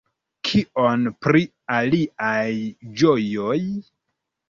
Kion pri iliaj ĝojoj?